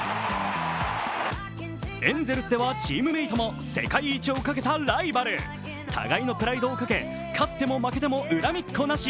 エンゼルスではチームメイトも世界一をかけたライバル互いのプライドをかけ勝っても負けても恨みっこなし。